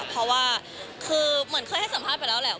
เพราะว่าคือเหมือนเคยให้สัมภาษณ์ไปแล้วแหละ